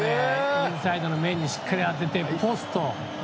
右サイドの面にしっかり当ててポスト。